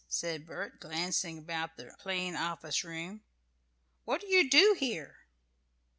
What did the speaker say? said Bert, glancing about the plain office room. "What do you do here?"